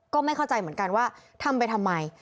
ก็ไม่เข้าใจเหมือนกันว่าทำไปทำไม